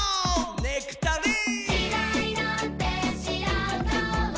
「ネクタリン」！